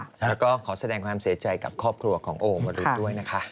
แล้วก็ขอแสดงความเสียใจกับครอบครัวของโอวรุษด้วยนะคะ